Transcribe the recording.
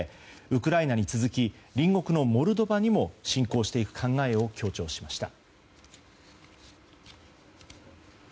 ウクライナに続き隣国のモルドバにも侵攻していく考えを強調しました。